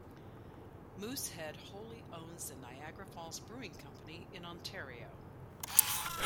Moosehead wholly owns the Niagara Falls Brewing Company in Ontario.